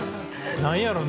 何やろね？